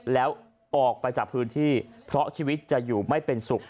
แล้วออกไปจากพื้นที่เพราะชีวิตจะอยู่ไม่เป็นสุข